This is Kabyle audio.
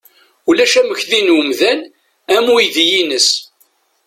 Ulac amekdi n umdan am uydi-ines